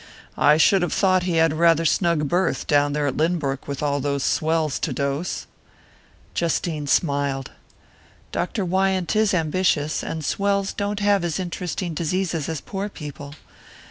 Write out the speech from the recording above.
I should have thought he had rather a snug berth, down there at Lynbrook, with all those swells to dose." Justine smiled. "Dr. Wyant is ambitious, and swells don't have as interesting diseases as poor people.